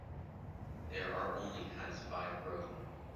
The are only has five road.